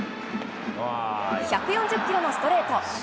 １４０キロのストレート。